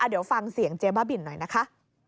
เดี๋ยวฟังเสียงเจ๊บ้าบินหน่อยนะคะ